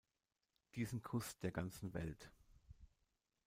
Diesen Kuß der ganzen Welt!